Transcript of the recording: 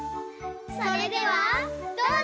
それではどうぞ！